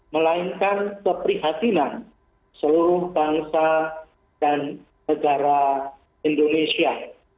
melainkan keprihatinan seluruh bangsa dan negara indonesia